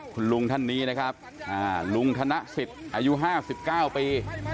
คุณลุงท่านนี้นะครับอ่าลุงธนะศิษย์อายุห้าสิบเก้าปี